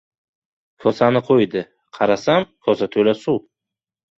kosani qo‘ydi. Qarasam, kosa to‘la suv.